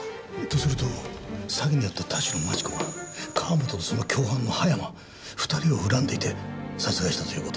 とすると詐欺に遭った田代万智子は川本とその共犯の葉山２人を恨んでいて殺害したという事も。